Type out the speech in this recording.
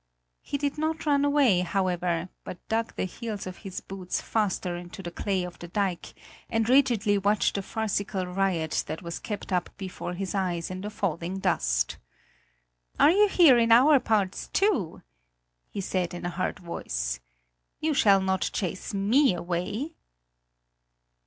He did not run away, however, but dug the heels of his boots faster into the clay of the dike and rigidly watched the farcical riot that was kept up before his eyes in the falling dusk. "Are you here in our parts too?" he said in a hard voice. "You shall not chase me away!"